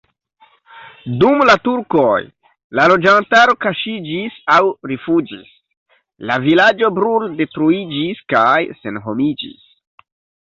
Dum la turkoj la loĝantaro kaŝiĝis aŭ rifuĝis, la vilaĝo bruldetruiĝis kaj senhomiĝis.